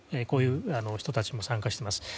こういう人も参加しています。